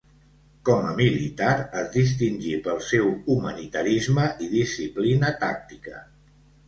Com a militar, es distingí pel seu humanitarisme i disciplina tàctica.